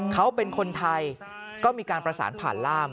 เขาเป็นคนไทยก็มีการประสานผ่านล่าม